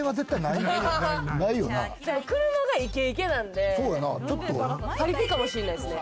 車がイケイケなんで、パリピかもしんないっすね。